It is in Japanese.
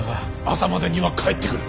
朝までには帰ってくる。